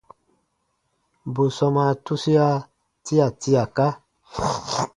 Bù sɔmaa tusia tia tiaka.